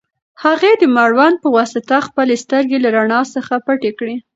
هغې د مړوند په واسطه خپلې سترګې له رڼا څخه پټې کړې.